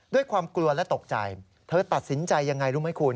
ด้วยความกลัวและตกใจเธอตัดสินใจยังไงรู้ไหมคุณ